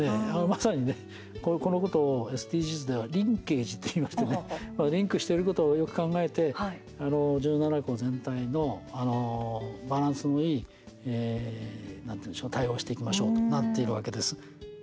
まさにね、このことをＳＤＧｓではリンケージと言いましてねリンクしてることをよく考えて１７個全体のバランスのいい対応をしていきましょうとなっているわけです。